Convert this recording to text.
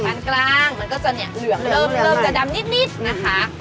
ปั่นกลางมันก็จะเหลืองจะดำนิดนะคะ